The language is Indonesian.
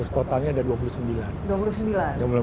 totalnya ada dua puluh sembilan